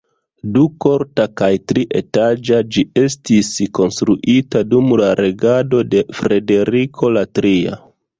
Dukorta kaj trietaĝa, ĝi estis konstruita dum la regado de Frederiko la Tria.